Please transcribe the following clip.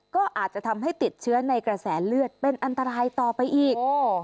ก็อาจจะทำให้ติดเชื้อในกระแสเลือดเป็นอันตรายต่อไปอีก